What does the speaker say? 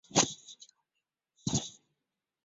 田园调布邮便局为东京都大田区的一间邮局。